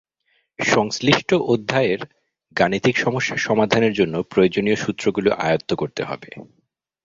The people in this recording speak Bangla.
সংশ্লিষ্ট অধ্যায়ের গাণিতিক সমস্যা সমাধানের জন্য প্রয়োজনীয় সূত্রগুলো আয়ত্ত করতে হবে।